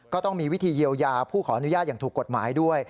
ก็ต้องมีวิธีเยียวยาผู้ขออนุญาตอย่างถูกกฎหมายด้วย